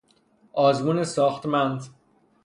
آزمون ساختمند